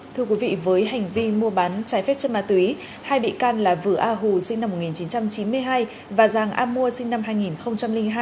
thưa quý vị với hành vi mua bán trái phép chất ma túy hai bị can là vừa a hù sinh năm một nghìn chín trăm chín mươi hai và giàng a mua sinh năm hai nghìn hai